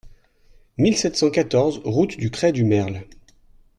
mille sept cent quatorze route du Crêt du Merle